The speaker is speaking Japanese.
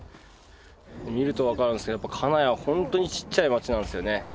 見るとわかるんですけど金谷は本当にちっちゃい町なんですよね。